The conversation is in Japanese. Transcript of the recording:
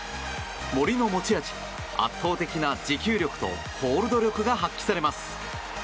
森の持ち味、圧倒的な持久力とホールド力が発揮されます。